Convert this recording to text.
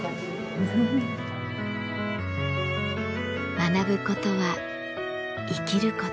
学ぶことは生きること。